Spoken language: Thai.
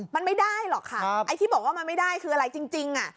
มันไม่ได้หรอกค่ะไอ้ที่บอกว่ามันไม่ได้คืออะไรจริงอ่ะ